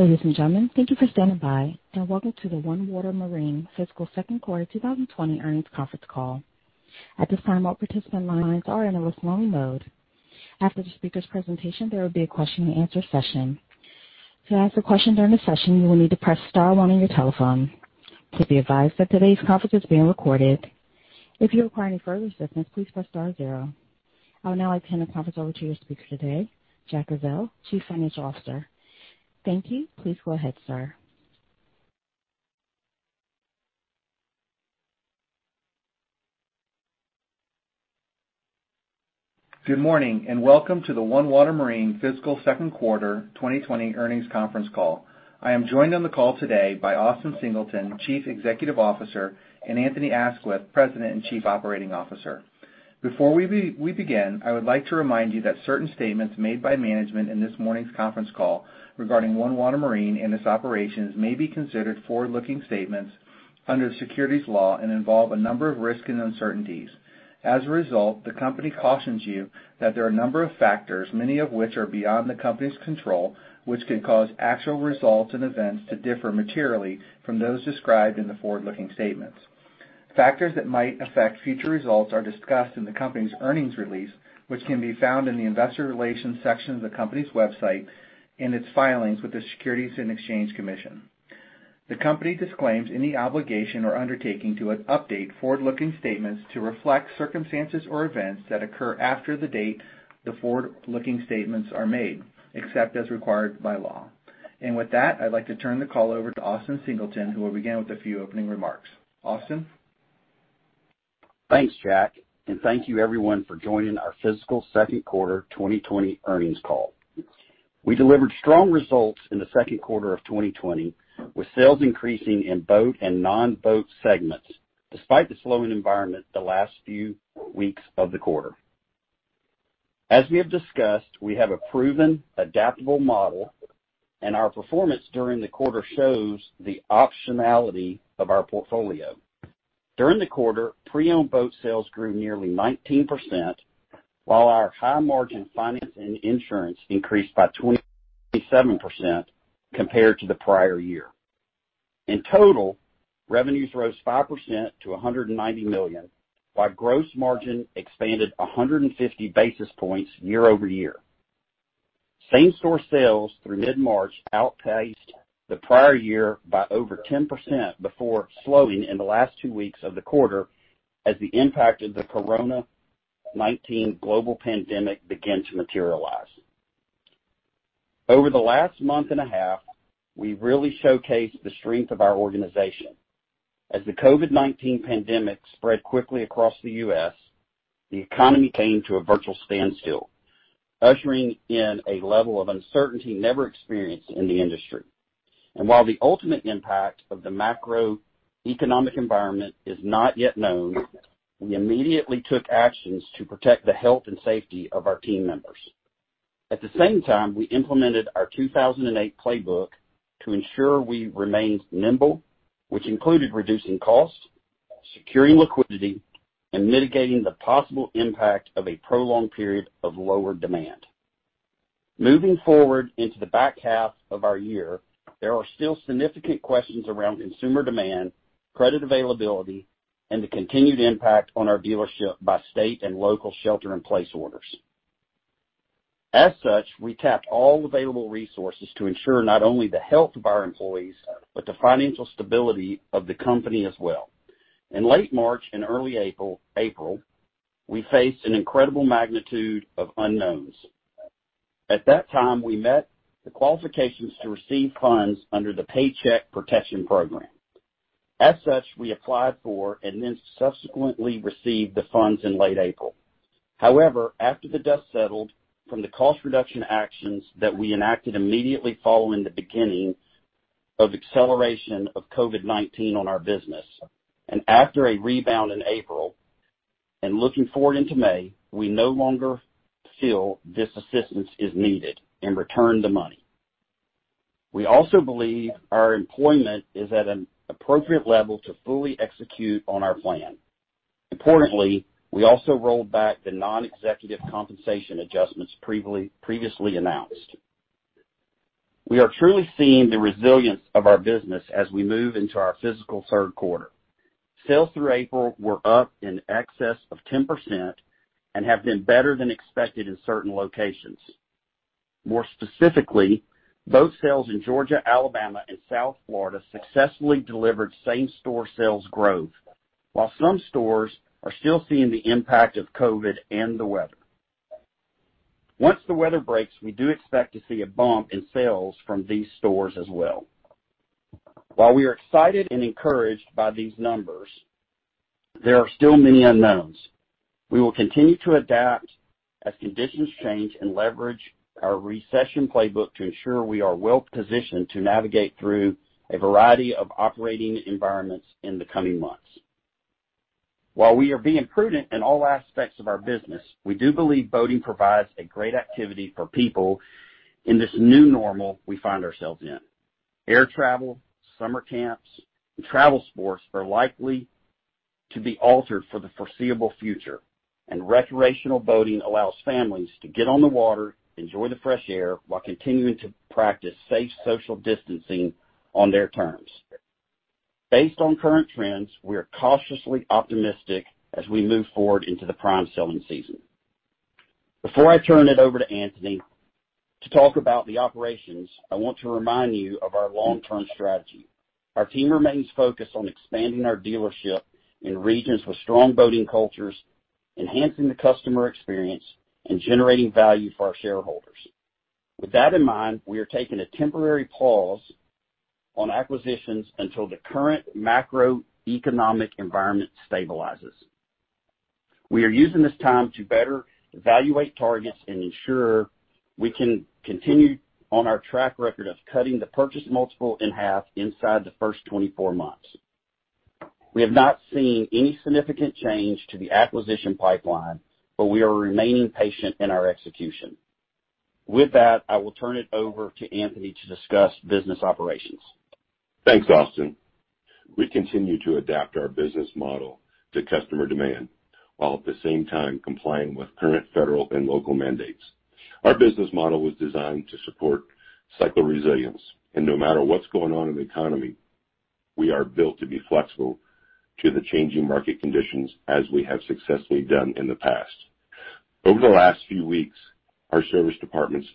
Ladies and gentlemen, thank you for standing by and welcome to the OneWater Marine Fiscal Second Quarter 2020 Earnings Conference Call. At this time, all participant lines are in a listen-only mode. After the speaker's presentation, there will be a question-and-answer session. To ask a question during the session, you will need to press star one on your telephone. Please be advised that today's conference is being recorded. If you require any further assistance, please press star zero. I would now like to hand the conference over to your speaker today, Jack Ezzell, Chief Financial Officer. Thank you. Please go ahead, sir. Good morning, and welcome to the OneWater Marine Fiscal Second Quarter 2020 Earnings Conference Call. I am joined on the call today by Austin Singleton, Chief Executive Officer, and Anthony Aisquith, President and Chief Operating Officer. Before we begin, I would like to remind you that certain statements made by management in this morning's conference call regarding OneWater Marine and its operations may be considered forward-looking statements under the securities law and involve a number of risks and uncertainties. As a result, the company cautions you that there are a number of factors, many of which are beyond the company's control, which could cause actual results and events to differ materially from those described in the forward-looking statements. Factors that might affect future results are discussed in the company's earnings release, which can be found in the investor relations section of the company's website in its filings with the Securities and Exchange Commission. The company disclaims any obligation or undertaking to update forward-looking statements to reflect circumstances or events that occur after the date the forward-looking statements are made, except as required by law. With that, I'd like to turn the call over to Austin Singleton, who will begin with a few opening remarks. Austin? Thanks, Jack. Thank you everyone for joining our Fiscal Second Quarter 2020 Earnings Call. We delivered strong results in the second quarter of 2020, with sales increasing in boat and non-boat segments, despite the slowing environment the last few weeks of the quarter. As we have discussed, we have a proven adaptable model and our performance during the quarter shows the optionality of our portfolio. During the quarter, pre-owned boat sales grew nearly 19%, while our high-margin finance and insurance increased by 27% compared to the prior year. In total, revenues rose 5% to $190 million, while gross margin expanded 150 basis points year-over-year. Same-store sales through mid-March outpaced the prior year by over 10% before slowing in the last two weeks of the quarter as the impact of the COVID-19 global pandemic began to materialize. Over the last month and a half, we've really showcased the strength of our organization. As the COVID-19 pandemic spread quickly across the U.S., the economy came to a virtual standstill, ushering in a level of uncertainty never experienced in the industry. While the ultimate impact of the macroeconomic environment is not yet known, we immediately took actions to protect the health and safety of our team members. At the same time, we implemented our 2008 playbook to ensure we remained nimble, which included reducing costs, securing liquidity, and mitigating the possible impact of a prolonged period of lower demand. Moving forward into the back half of our year, there are still significant questions around consumer demand, credit availability, and the continued impact on our dealership by state and local shelter-in-place orders. We tapped all available resources to ensure not only the health of our employees, but the financial stability of the company as well. In late March and early April, we faced an incredible magnitude of unknowns. At that time, we met the qualifications to receive funds under the Paycheck Protection Program. We applied for and then subsequently received the funds in late April. However, after the dust settled from the cost reduction actions that we enacted immediately following the beginning of acceleration of COVID-19 on our business, and after a rebound in April and looking forward into May, we no longer feel this assistance is needed and returned the money. We also believe our employment is at an appropriate level to fully execute on our plan. Importantly, we also rolled back the non-executive compensation adjustments previously announced. We are truly seeing the resilience of our business as we move into our fiscal third quarter. Sales through April were up in excess of 10% and have been better than expected in certain locations. More specifically, boat sales in Georgia, Alabama, and South Florida successfully delivered same-store sales growth. While some stores are still seeing the impact of COVID-19 and the weather. Once the weather breaks, we do expect to see a bump in sales from these stores as well. While we are excited and encouraged by these numbers, there are still many unknowns. We will continue to adapt as conditions change and leverage our recession playbook to ensure we are well-positioned to navigate through a variety of operating environments in the coming months. While we are being prudent in all aspects of our business, we do believe boating provides a great activity for people in this new normal we find ourselves in. Air travel, summer camps, and travel sports are likely to be altered for the foreseeable future, and recreational boating allows families to get on the water, enjoy the fresh air while continuing to practice safe social distancing on their terms. Based on current trends, we are cautiously optimistic as we move forward into the prime selling season. Before I turn it over to Anthony to talk about the operations, I want to remind you of our long-term strategy. Our team remains focused on expanding our dealership in regions with strong boating cultures, enhancing the customer experience, and generating value for our shareholders. With that in mind, we are taking a temporary pause on acquisitions until the current macroeconomic environment stabilizes. We are using this time to better evaluate targets and ensure we can continue on our track record of cutting the purchase multiple in half inside the first 24 months. We have not seen any significant change to the acquisition pipeline, but we are remaining patient in our execution. With that, I will turn it over to Anthony to discuss business operations. Thanks, Austin. We continue to adapt our business model to customer demand, while at the same time complying with current federal and local mandates. Our business model was designed to support cycle resilience. No matter what's going on in the economy, we are built to be flexible to the changing market conditions as we have successfully done in the past. Over the last few weeks, our service departments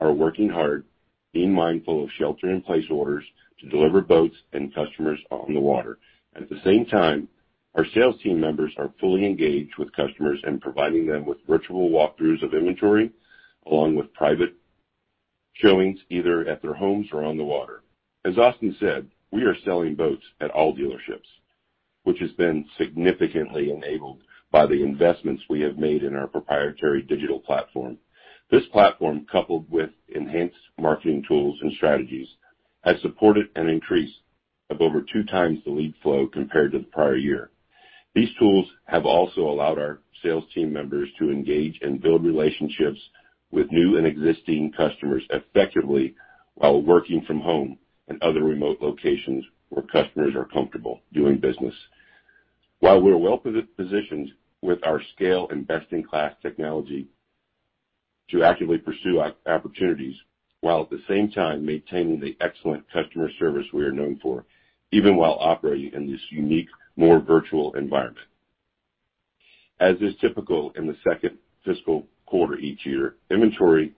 are working hard, being mindful of shelter-in-place orders to deliver boats and customers on the water. At the same time, our sales team members are fully engaged with customers and providing them with virtual walkthroughs of inventory, along with private showings either at their homes or on the water. As Austin said, we are selling boats at all dealerships, which has been significantly enabled by the investments we have made in our proprietary digital platform. This platform, coupled with enhanced marketing tools and strategies, has supported an increase of over two times the lead flow compared to the prior year. These tools have also allowed our sales team members to engage and build relationships with new and existing customers effectively while working from home and other remote locations where customers are comfortable doing business. While we're well-positioned with our scale and best-in-class technology to actively pursue opportunities while at the same time maintaining the excellent customer service we are known for, even while operating in this unique, more virtual environment. As is typical in the second fiscal quarter each year, inventory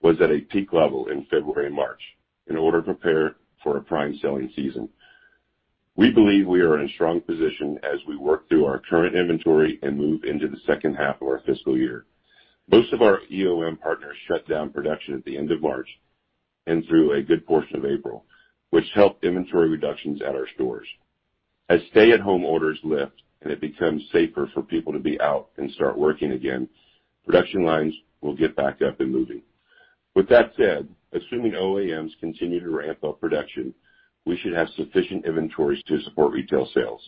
was at a peak level in February and March in order to prepare for a prime selling season. We believe we are in a strong position as we work through our current inventory and move into the second half of our fiscal year. Most of our OEM partners shut down production at the end of March and through a good portion of April, which helped inventory reductions at our stores. As stay-at-home orders lift and it becomes safer for people to be out and start working again, production lines will get back up and moving. With that said, assuming OEMs continue to ramp up production, we should have sufficient inventories to support retail sales.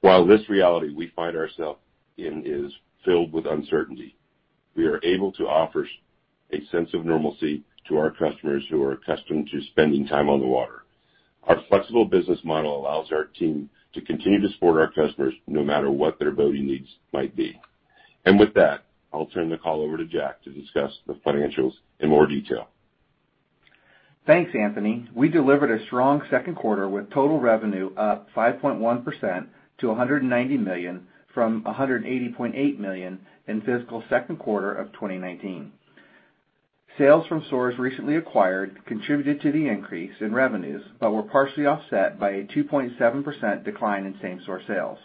While this reality we find ourselves in is filled with uncertainty, we are able to offer a sense of normalcy to our customers who are accustomed to spending time on the water. Our flexible business model allows our team to continue to support our customers no matter what their boating needs might be. With that, I'll turn the call over to Jack to discuss the financials in more detail. Thanks, Anthony. We delivered a strong second quarter with total revenue up 5.1% to $190 million from $180.8 million in fiscal second quarter of 2019. Sales from stores recently acquired contributed to the increase in revenues, but were partially offset by a 2.7% decline in same-store sales.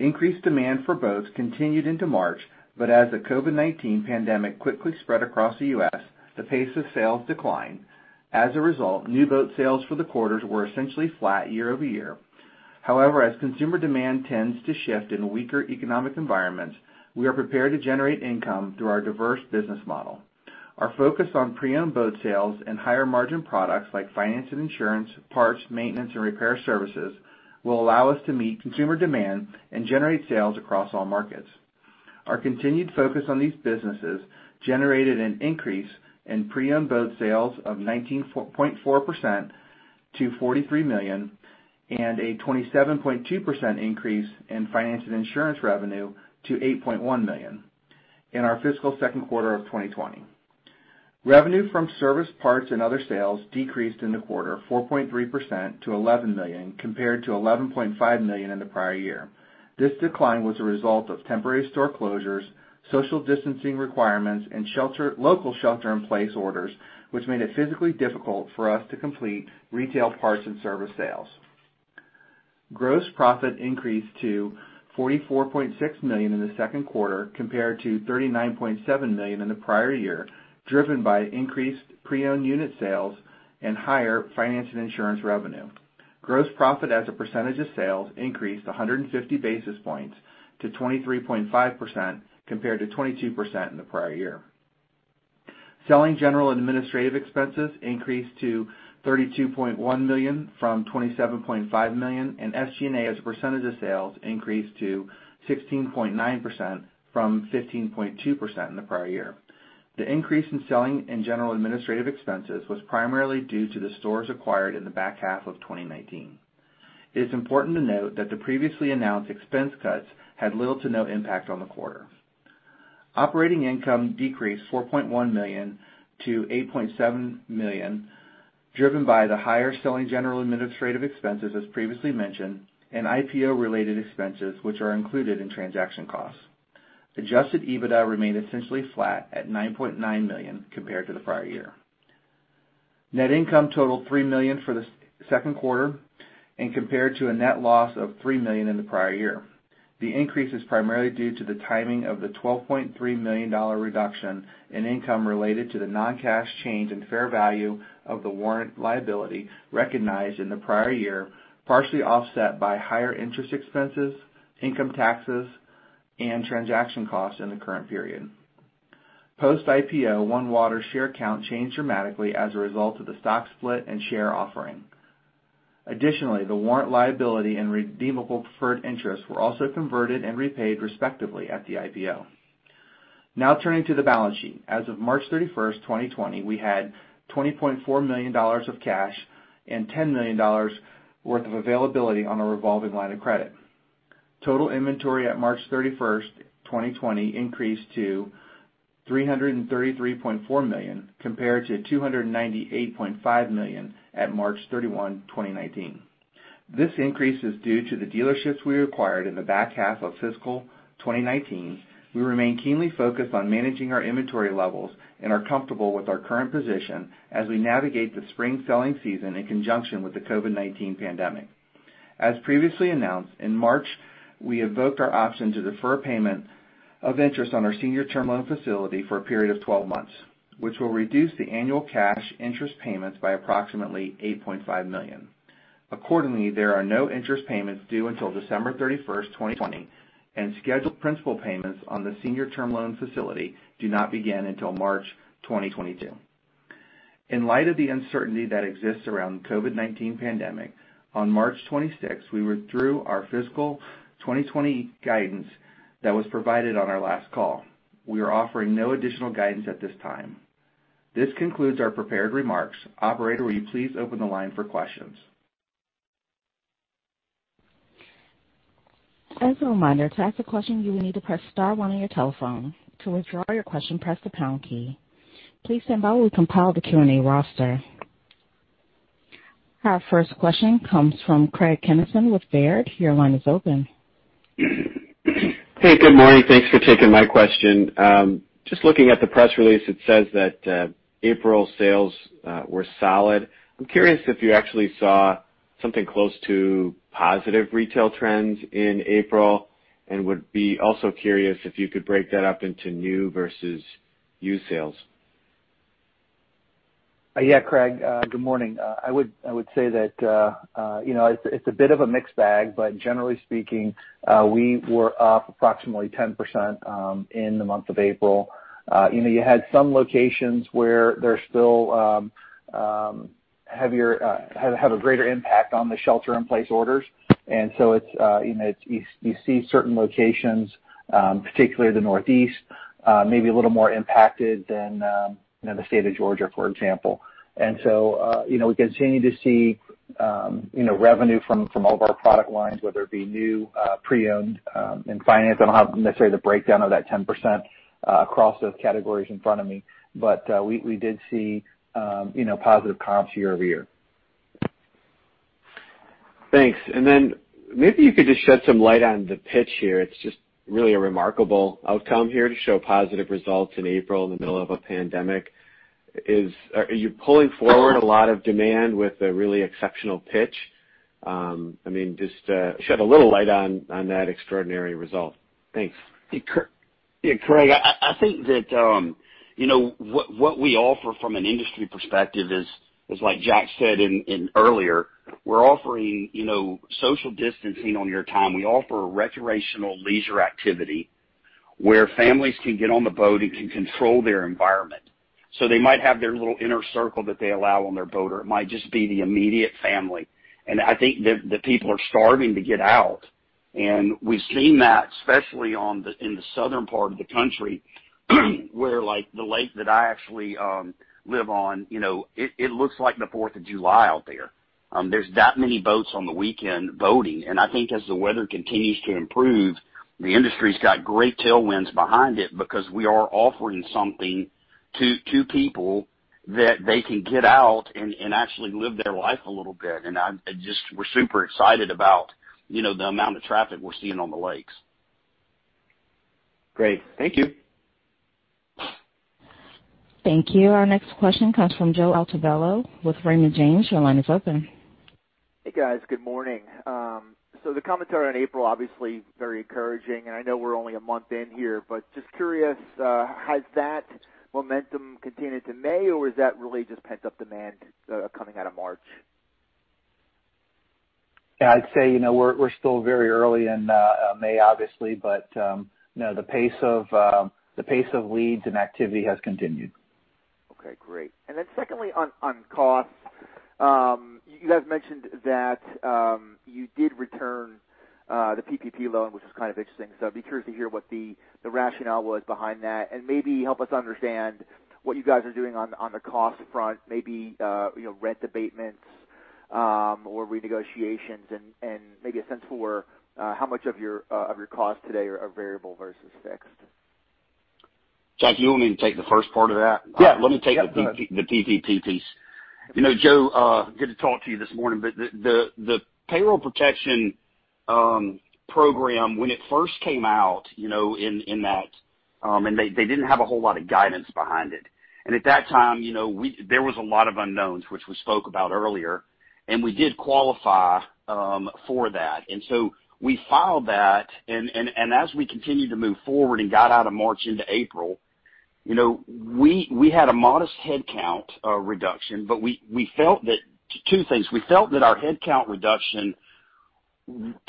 Increased demand for boats continued into March, but as the COVID-19 pandemic quickly spread across the U.S., the pace of sales declined. As a result, new boat sales for the quarters were essentially flat year-over-year. However, as consumer demand tends to shift in weaker economic environments, we are prepared to generate income through our diverse business model. Our focus on pre-owned boat sales and higher margin products like finance and insurance, parts, maintenance, and repair services will allow us to meet consumer demand and generate sales across all markets. Our continued focus on these businesses generated an increase in pre-owned boat sales of 19.4% to $43 million and a 27.2% increase in finance and insurance revenue to $8.1 million in our fiscal second quarter of 2020. Revenue from service parts and other sales decreased in the quarter 4.3% to $11 million compared to $11.5 million in the prior year. This decline was a result of temporary store closures, social distancing requirements, and local shelter-in-place orders, which made it physically difficult for us to complete retail parts and service sales. Gross profit increased to $44.6 million in the second quarter compared to $39.7 million in the prior year, driven by increased pre-owned unit sales and higher finance and insurance revenue. Gross profit as a percentage of sales increased 150 basis points to 23.5% compared to 22% in the prior year. Selling, general, and administrative expenses increased to $32.1 million from $27.5 million, and SG&A as a percentage of sales increased to 16.9% from 15.2% in the prior year. The increase in selling and general administrative expenses was primarily due to the stores acquired in the back half of 2019. It is important to note that the previously announced expense cuts had little to no impact on the quarter. Operating income decreased $4.1 million to $8.7 million, driven by the higher selling, general, and administrative expenses, as previously mentioned, and IPO-related expenses, which are included in transaction costs. Adjusted EBITDA remained essentially flat at $9.9 million compared to the prior year. Net income totaled $3 million for the second quarter and compared to a net loss of $3 million in the prior year. The increase is primarily due to the timing of the $12.3 million reduction in income related to the non-cash change in fair value of the warrant liability recognized in the prior year, partially offset by higher interest expenses, income taxes, and transaction costs in the current period. Post-IPO, OneWater share count changed dramatically as a result of the stock split and share offering. Additionally, the warrant liability and redeemable preferred interests were also converted and repaid respectively at the IPO. Now turning to the balance sheet. As of March 31st, 2020, we had $20.4 million of cash and $10 million worth of availability on a revolving line of credit. Total inventory at March 31st, 2020 increased to $333.4 million compared to $298.5 million at March 31, 2019. This increase is due to the dealerships we acquired in the back half of fiscal 2019. We remain keenly focused on managing our inventory levels and are comfortable with our current position as we navigate the spring selling season in conjunction with the COVID-19 pandemic. As previously announced, in March, we invoked our option to defer payment of interest on our senior term loan facility for a period of 12 months, which will reduce the annual cash interest payments by approximately $8.5 million. Accordingly, there are no interest payments due until December 31st, 2020, and scheduled principal payments on the senior term loan facility do not begin until March 2022. In light of the uncertainty that exists around COVID-19 pandemic, on March 26th, we withdrew our fiscal 2020 guidance that was provided on our last call. We are offering no additional guidance at this time. This concludes our prepared remarks. Operator, will you please open the line for questions? Our first question comes from Craig Kennison with Baird. Your line is open. Hey, good morning. Thanks for taking my question. Just looking at the press release, it says that April sales were solid. I'm curious if you actually saw something close to positive retail trends in April, and would be also curious if you could break that up into new versus used sales? Yeah, Craig, good morning. I would say that it's a bit of a mixed bag. Generally speaking, we were up approximately 10% in the month of April. You had some locations where they still have a greater impact on the shelter-in-place orders. You see certain locations, particularly the Northeast, maybe a little more impacted than the state of Georgia, for example. We continue to see revenue from all of our product lines, whether it be new, pre-owned, and finance. I don't have necessarily the breakdown of that 10% across those categories in front of me, but we did see positive comps year-over-year. Thanks. Maybe you could just shed some light on the pitch here. It's just really a remarkable outcome here to show positive results in April in the middle of a pandemic. Are you pulling forward a lot of demand with a really exceptional pitch? Just shed a little light on that extraordinary result. Thanks. Yeah, Craig, I think that what we offer from an industry perspective is, as like Jack said earlier, we're offering social distancing on your time. We offer a recreational leisure activity where families can get on the boat and can control their environment. They might have their little inner circle that they allow on their boat, or it might just be the immediate family. I think that the people are starving to get out, and we've seen that, especially in the Southern part of the country where, like the lake that I actually live on, it looks like the Fourth of July out there. There's that many boats on the weekend boating. I think as the weather continues to improve, the industry's got great tailwinds behind it because we are offering something to people that they can get out and actually live their life a little bit. We're super excited about the amount of traffic we're seeing on the lakes. Great. Thank you. Thank you. Our next question comes from Joe Altobello with Raymond James. Your line is open. Hey, guys. Good morning. The commentary on April, obviously very encouraging, and I know we're only a month in here, but just curious, has that momentum continued to May, or is that really just pent-up demand coming out of March? Yeah, I'd say we're still very early in May, obviously, but the pace of leads and activity has continued. Okay, great. Secondly, on costs. You guys mentioned that you did return the PPP loan, which is kind of interesting. I'd be curious to hear what the rationale was behind that and maybe help us understand what you guys are doing on the cost front, maybe rent abatements or renegotiations and maybe a sense for how much of your costs today are variable versus fixed. Jack, you want me to take the first part of that? Yeah. Let me take the PPP piece. Joe, good to talk to you this morning. The Paycheck Protection Program, when it first came out, they didn't have a whole lot of guidance behind it. At that time, there was a lot of unknowns, which we spoke about earlier, and we did qualify for that. We filed that, and as we continued to move forward and got out of March into April, we had a modest headcount reduction, but two things. We felt that our headcount reduction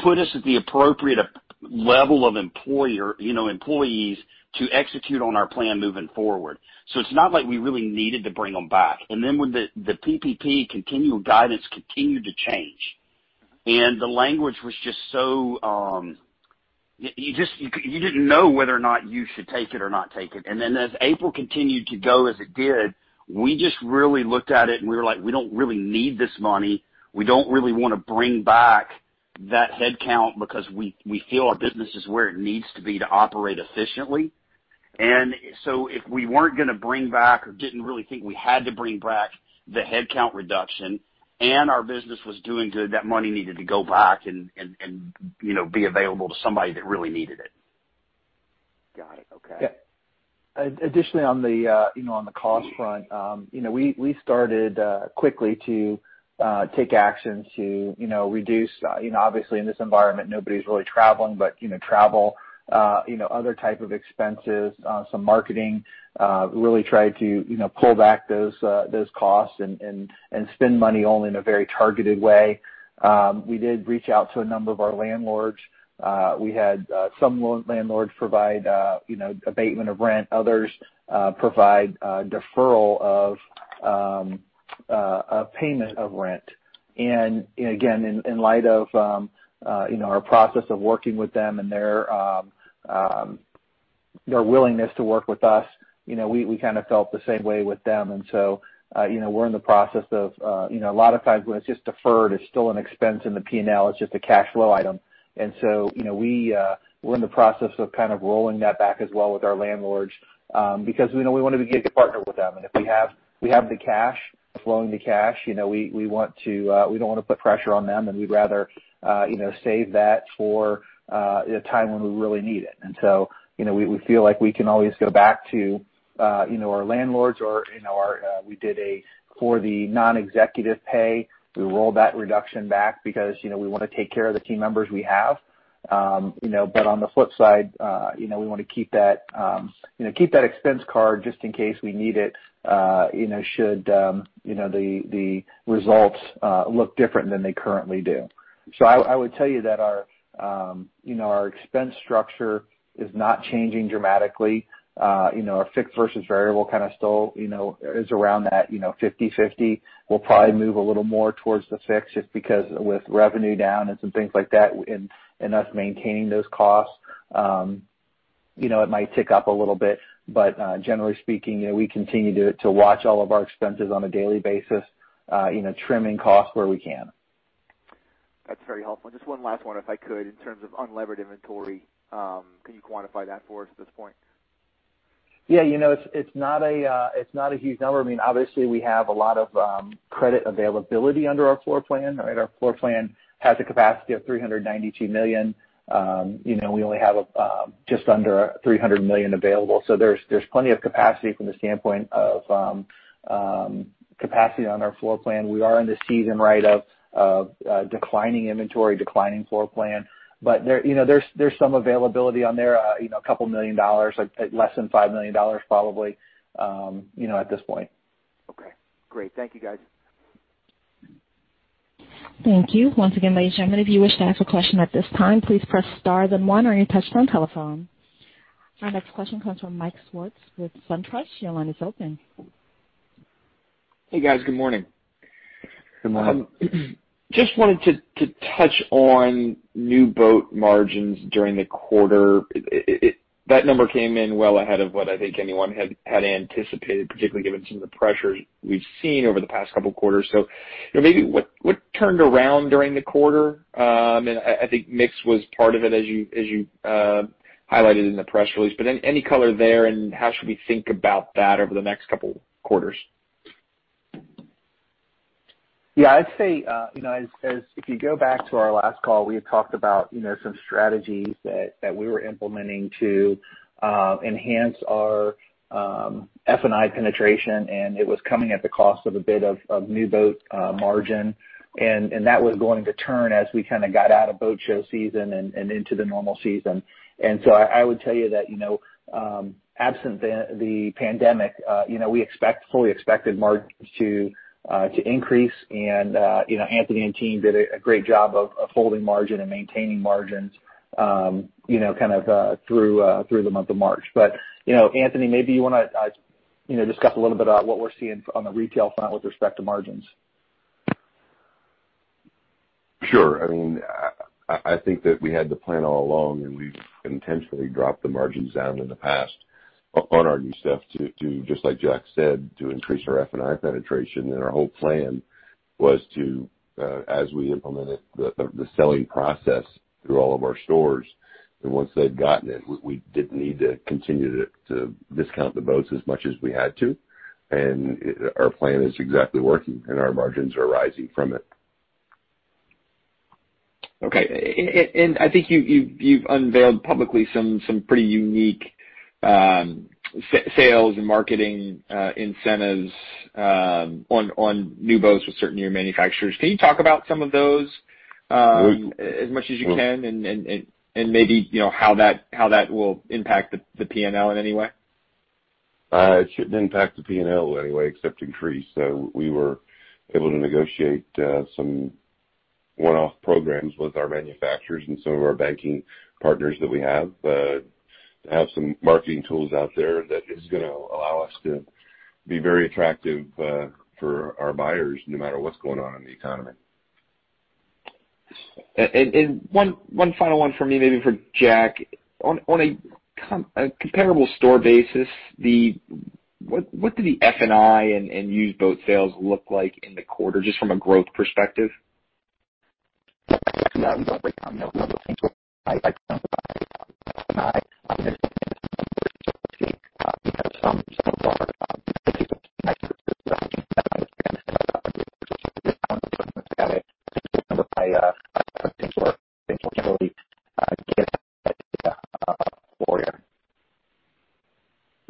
put us at the appropriate level of employees to execute on our plan moving forward. It's not like we really needed to bring them back. When the PPP continual guidance continued to change, and the language was just so You didn't know whether or not you should take it or not take it. As April continued to go as it did, we just really looked at it and we were like, "We don't really need this money. We don't really want to bring back that headcount because we feel our business is where it needs to be to operate efficiently." If we weren't going to bring back or didn't really think we had to bring back the headcount reduction and our business was doing good, that money needed to go back and be available to somebody that really needed it. Got it. Okay. Yeah. Additionally on the cost front, we started quickly to take action to reduce. Obviously, in this environment, nobody's really traveling, but travel, other type of expenses, some marketing, really tried to pull back those costs and spend money only in a very targeted way. We did reach out to a number of our landlords. We had some landlords provide abatement of rent, others provide deferral of payment of rent. Again, in light of our process of working with them and their willingness to work with us, we kind of felt the same way with them. We're in the process of, a lot of times when it's just deferred, it's still an expense in the P&L. It's just a cash flow item. We're in the process of kind of rolling that back as well with our landlords, because we want to be a good partner with them. If we have the cash, flowing the cash, we don't want to put pressure on them, and we'd rather save that for a time when we really need it. We feel like we can always go back to our landlords or for the non-executive pay, we rolled that reduction back because we want to take care of the team members we have. On the flip side, we want to keep that expense card just in case we need it should the results look different than they currently do. I would tell you that our expense structure is not changing dramatically. Our fixed versus variable still is around that 50/50. We'll probably move a little more towards the fixed, just because with revenue down and some things like that and us maintaining those costs, it might tick up a little bit. Generally speaking, we continue to watch all of our expenses on a daily basis, trimming costs where we can. That's very helpful. Just one last one, if I could, in terms of unlevered inventory. Can you quantify that for us at this point? Yeah. It's not a huge number. Obviously, we have a lot of credit availability under our floor plan. Our floor plan has a capacity of $392 million. We only have just under $300 million available. There's plenty of capacity from the standpoint of capacity on our floor plan. We are in the season of declining inventory, declining floor plan. There's some availability on there, a couple million dollars, less than $5 million probably at this point. Okay, great. Thank you, guys. Thank you. Our next question comes from Mike Swartz with SunTrust. Your line is open. Hey, guys. Good morning. Good morning. Just wanted to touch on new boat margins during the quarter. That number came in well ahead of what I think anyone had anticipated, particularly given some of the pressures we've seen over the past couple of quarters. Maybe what turned around during the quarter? I think mix was part of it, as you highlighted in the press release, but any color there, and how should we think about that over the next couple quarters? Yeah, I'd say, if you go back to our last call, we had talked about some strategies that we were implementing to enhance our F&I penetration, and it was coming at the cost of a bit of new boat margin. That was going to turn as we kind of got out of boat show season and into the normal season. I would tell you that absent the pandemic, we fully expected margins to increase. Anthony and team did a great job of holding margin and maintaining margins kind of through the month of March. Anthony, maybe you want to discuss a little bit about what we're seeing on the retail front with respect to margins. Sure. I think that we had the plan all along. We've intentionally dropped the margins down in the past on our new stuff to, just like Jack said, to increase our F&I penetration. Our whole plan was to, as we implemented the selling process through all of our stores. Once they'd gotten it, we didn't need to continue to discount the boats as much as we had to. Our plan is exactly working. Our margins are rising from it. Okay. I think you've unveiled publicly some pretty unique sales and marketing incentives on new boats with certain new manufacturers. Can you talk about some of those as much as you can and maybe how that will impact the P&L in any way? It shouldn't impact the P&L anyway, except increase. We were able to negotiate some one-off programs with our manufacturers and some of our banking partners that we have, to have some marketing tools out there that is going to allow us to be very attractive for our buyers, no matter what's going on in the economy. One final one for me, maybe for Jack. On a comparable store basis, what do the F&I and used boat sales look like in the quarter, just from a growth perspective? Yeah. We don't [inaudible] break out one of those things. I'd say F&I is going to be a little bit difficult to see because some of our use cases will connect with the 15-year finance and other purchases. It's going to be kind of hard to separate by things like warranty. We can get that data for you.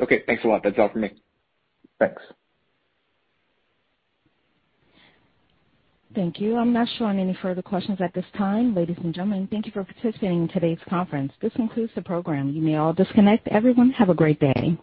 Okay, thanks a lot. That's all for me. Thanks. Thank you. I am not showing any further questions at this time. Ladies and gentlemen, thank you for participating in today's conference. This concludes the program. You may all disconnect. Everyone, have a great day.